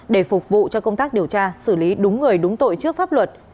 để phục vụ cho công tác điều tra xử lý đúng người đúng tội trước pháp luật